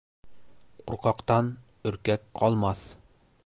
Ҡурҡаҡтан өркәк ҡалмаҫ.